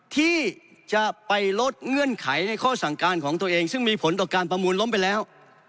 ที่จะไปลดเงื่อนไขในข้อสั่งการของตัวเองซึ่งมีผลต่อการประมูลล้มไปแล้ว